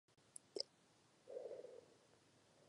Jsem přesvědčen, že musíme v této oblasti dosáhnout pokroku.